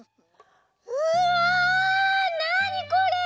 うわなにこれ！